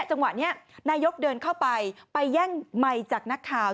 จังหวะนี้นายกเดินเข้าไปไปแย่งไมค์จากนักข่าว